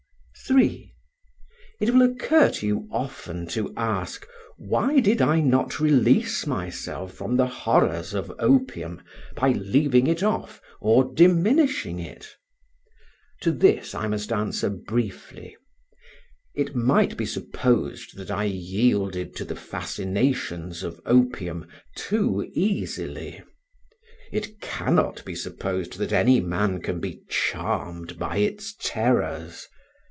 3. It will occur to you often to ask, why did I not release myself from the horrors of opium by leaving it off or diminishing it? To this I must answer briefly: it might be supposed that I yielded to the fascinations of opium too easily; it cannot be supposed that any man can be charmed by its terrors.